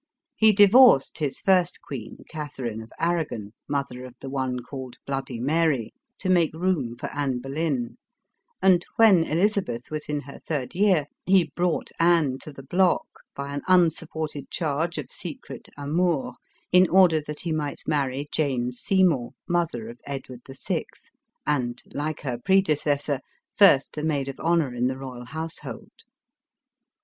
He divorced his lir.si queen, Catharine of Aragon, mother of the one called Bloody Mary, to make room for Anne Boleyn ; and, when Mlixabeth was in her third year, he brought Anne to the block, by an unsupported charge of se cret amours, in order that he might marry Jane Sey 12* 274 ELIZABETH OF ENGLAND. mour, mother of Edward VL, and, like her predeces sor, first a maid of honor in the royal household.